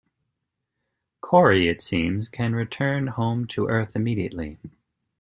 Corry, it seems, can return home to Earth immediately.